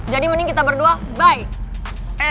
jadi mending kita berdua bye